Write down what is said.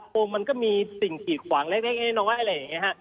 โมงมันก็มีสิ่งกีดขวางเล็กน้อยอะไรอย่างนี้ฮะ